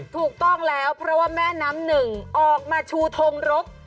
ถูกต้องแล้วเพราะว่าแม่น้ำหนึ่งออกมาชูทงรก